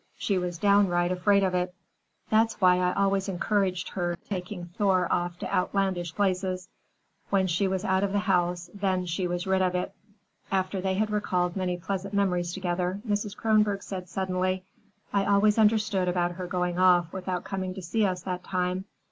She was downright afraid of it. That's why I always encouraged her taking Thor off to outlandish places. When she was out of the house, then she was rid of it." After they had recalled many pleasant memories together, Mrs. Kronborg said suddenly: "I always understood about her going off without coming to see us that time.